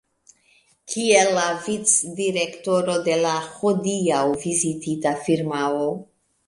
Kiel la vicdirektoro de la hodiaŭ vizitita firmao.